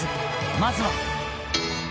まずは。